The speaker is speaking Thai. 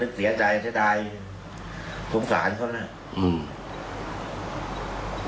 เลยคิดว่าจะไปบริจาคอวัยวะ